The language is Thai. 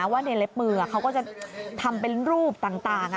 ว่าในเล็บมือเขาก็จะทำเป็นรูปต่าง